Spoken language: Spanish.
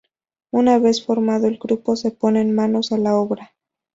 Una vez formado el grupo se ponen manos a la obra.